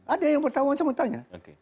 ada yang pertama saya mau tanya